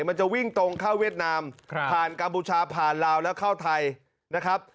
มันจะวิ่งตรงเข้าเวียดนามผ่านกัมพูชาผ่านลาวแล้วเข้าไทยนะครับ